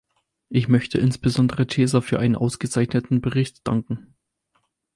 Ich möchte insbesondere Chesa für einen ausgezeichneten Bericht danken.